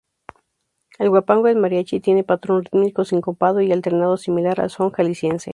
El huapango en mariachi tiene patrón rítmico sincopado y alternado similar al son jalisciense.